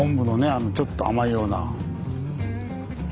あのちょっと甘いような。